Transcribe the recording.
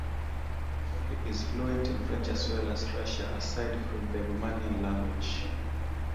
He is fluent in French as well as Russian aside from the Romanian language.